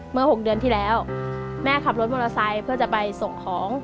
๖เดือนที่แล้วแม่ขับรถมอเตอร์ไซค์เพื่อจะไปส่งของ